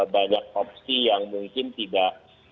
banyak opsi yang mungkin tidak